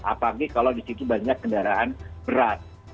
apalagi kalau di situ banyak kendaraan berat